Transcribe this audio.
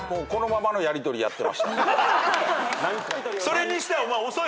それにしては。